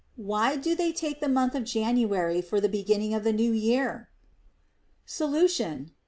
Why do they take the month of January for the beginning of the new year ? Solution.